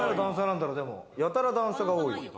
やたら段差が多い。